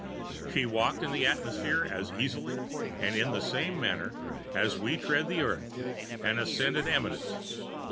She walked in the atmosphere as easily, and in the same manner, as we tread the earth and ascend an eminence.